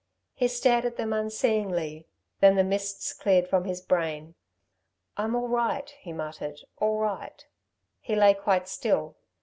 He stared at them unseeingly. Then the mists cleared from his brain. "I'm all right," he muttered, "all right...." He lay quite still.